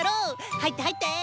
入って入って！